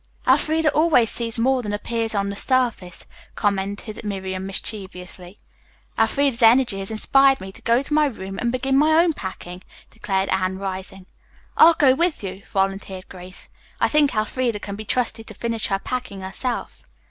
"Elfreda always sees more than appears on the surface," commented Miriam mischievously. "Elfreda's energy has inspired me to go to my room and begin my own packing," declared Anne, rising. "I'll go with you," volunteered Grace. "I think Elfreda can be trusted to finish her packing by herself."